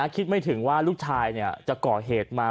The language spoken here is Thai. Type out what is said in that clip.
คิดไม่ถึงว่าลูกชายจะก่อเหตุมา